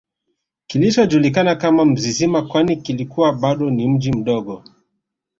kilichojulikana kama Mzizima kwani kilikuwa bado ni mji mdogo